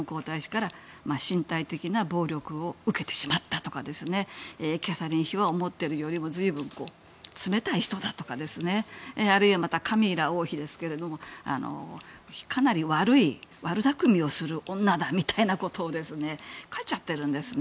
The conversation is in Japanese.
お兄さん、ウィリアム皇太子から身体的な暴力を受けてしまったとかキャサリン妃は思っているよりも随分、冷たい人だとかあるいはカミラ王妃ですがかなり悪い悪だくみをする女だということを書いてしまっているんですね。